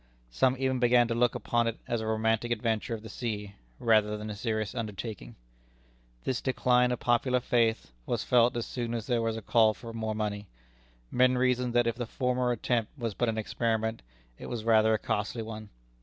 Some even began to look upon it as a romantic adventure of the sea, rather than a serious undertaking. This decline of popular faith was felt as soon as there was a call for more money. Men reasoned that if the former attempt was but an experiment, it was rather a costly one.